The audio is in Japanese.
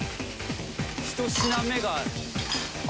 １品目がああ